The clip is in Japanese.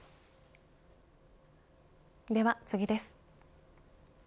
では次です。